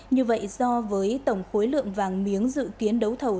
như vậy do với tổng khối lượng vàng miếng dự kiến đấu thầu